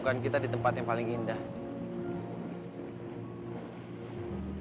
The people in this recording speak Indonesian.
kenapa bisa sampai sini